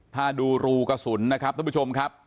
ถ้าดูรูกระสุนนะครับท่านผู้ชมครับ